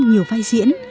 nhiều vai diễn